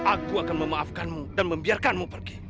aku akan memaafkanmu dan membiarkanmu pergi